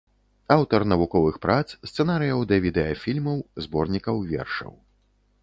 Аўтар навуковых прац, сцэнарыяў да відэафільмаў, зборнікаў вершаў.